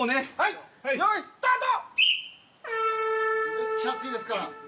めっちゃ熱いですから。